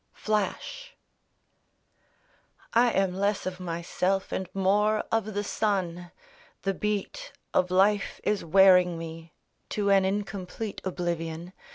FLASH I am less of myself and more of the sun ; The beat of life is wearing me To an incomplete oblivion.